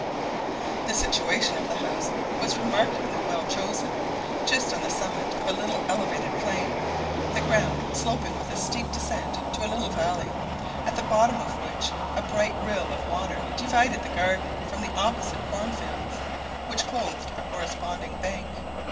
The situation of the house was remarkably well chosen, just on the summit of a little elevated plain, the ground sloping with a steep descent to a little valley, at the bottom of which a bright rill of water divided the garden from the opposite corn fields, which clothed a corresponding bank.